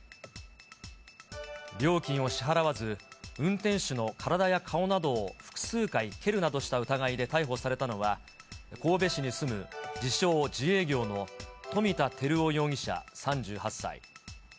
料金を支払わず、運転手の体や顔などを複数回蹴るなどした疑いで逮捕されたのは、神戸市に住む自称自営業の富田照大容疑者３８歳。